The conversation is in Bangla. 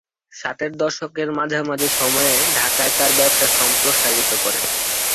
ষাটের দশকের মাঝামাঝি সময়ে ঢাকায় তার ব্যবসা সম্প্রসারিত করেন।